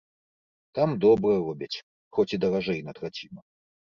Там добра робяць, хоць і даражэй на траціну.